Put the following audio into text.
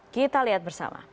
kita lihat bersama